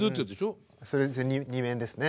それ２面ですね。